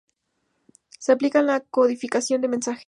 Se aplica en la codificación de mensaje.